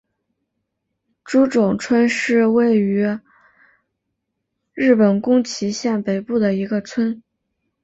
诸冢村是位于日本宫崎县北部的一个村。